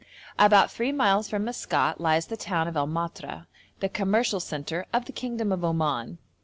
About three miles from Maskat lies the town of El Matra, the commercial centre of the kingdom of Oman.